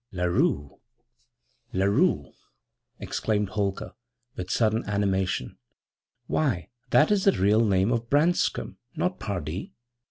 'Larue, Larue!' exclaimed Holker, with sudden animation. 'Why, that is the real name of Branscom not Pardee.